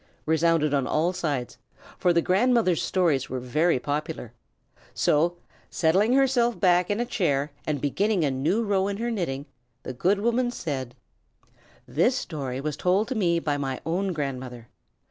resounded on all sides, for the grandmother's stories were very popular; so, settling herself back in her chair, and beginning a new row in her knitting, the good woman said: "This story was told to me by my own grandmother.